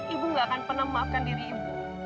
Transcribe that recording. ibu gak akan pernah memaafkan diri ibu